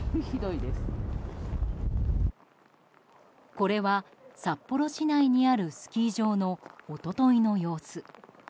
これは札幌市内にあるスキー場の一昨日の様子。